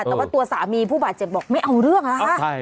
แต่ว่าตัวสามีผู้บาดเจ็บบอกไม่เอาเรื่องนะคะ